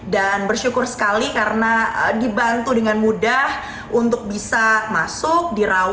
bersyukur sekali karena dibantu dengan mudah untuk bisa masuk